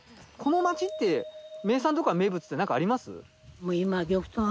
この町って名産とか名物ってなんかあります？